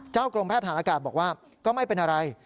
กรมแพทย์ฐานอากาศบอกว่าก็ไม่เป็นอะไร